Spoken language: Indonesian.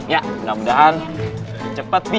ya mudah mudahan cepat bisa